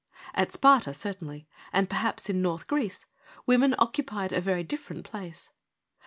At Sparta certainly, and perhaps in North Greece, women occupied a very different place.